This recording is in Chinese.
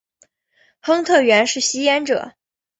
亨特原是吸烟者。